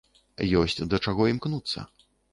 Ёсць да чаго імкнуцца.